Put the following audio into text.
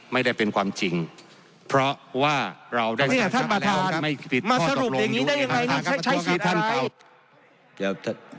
ไม่ได้เป็นความจริงเพราะว่าเราได้สินใจ